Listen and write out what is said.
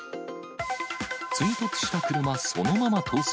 追突した車、そのまま逃走。